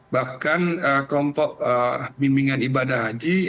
bahkan kelompok bimbingan ibadah haji